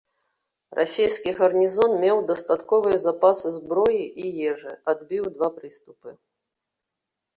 Расійскі гарнізон меў дастатковыя запасы зброі і ежы, адбіў два прыступы.